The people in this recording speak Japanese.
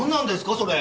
それ。